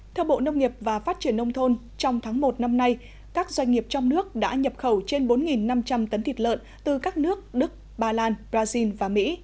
theo bộ nông nghiệp và phát triển nông thôn trong tháng một năm nay các doanh nghiệp trong nước đã nhập khẩu trên bốn năm trăm linh tấn thịt lợn từ các nước đức bà lan brazil và mỹ